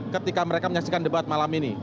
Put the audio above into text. ketika mereka menyaksikan debat malam ini